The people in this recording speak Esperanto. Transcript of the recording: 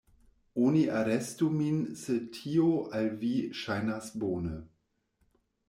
Oni arestu min se tio al vi ŝajnas bone.